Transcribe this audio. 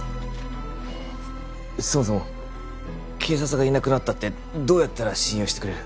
そもそも警察がいなくなったってどうやったら信用してくれる？